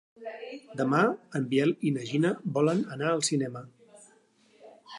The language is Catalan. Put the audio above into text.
Demà en Biel i na Gina volen anar al cinema.